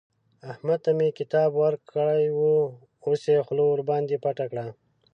احمد ته مې کتاب ورکړی وو؛ اوس يې خوله ورباندې پټه کړه.